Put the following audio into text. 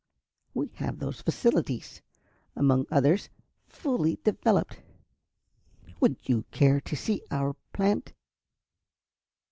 We have those facilities, among others, fully developed. Would you care to see our plant?"